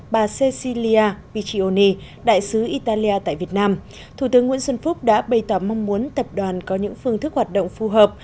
bà cecilia pichioni đại sứ italia tại việt nam thủ tướng nguyễn xuân phúc đã bày tỏ mong muốn tập đoàn có những phương thức hoạt động phù hợp